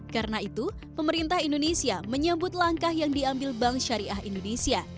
karena itu pemerintah indonesia menyebut langkah yang diambil bank syariah indonesia